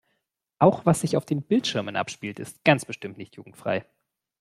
Auch was sich auf den Bildschirmen abspielt ist ganz bestimmt nicht jugendfrei.